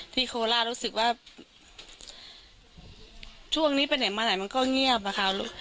โคล่ารู้สึกว่าช่วงนี้ไปไหนมาไหนมันก็เงียบอะค่ะลูก